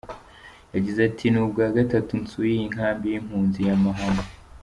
Yagize ati ‘’Ni ubwa gatatu nsuye iyi nkambi y’impunzi ya Mahama.